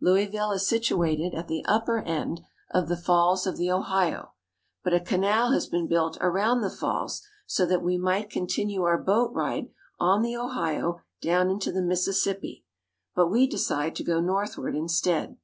Louisville is situated at the upper end of the Falls of the Ohio, but a canal has been built around the falls so that we might continue our boat ride on the Ohio down into the Mississippi ; but we decide to go northward instead.